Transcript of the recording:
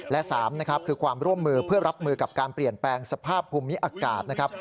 และ๓นะครับคือความร่วมมือเพื่อรับมือกับการเปลี่ยนแปลงสภาพภูมิอากาศนะครับ